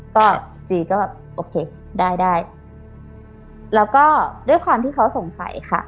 ก็จีก็แบบโอเคได้ได้แล้วก็ด้วยความที่เขาสงสัยค่ะ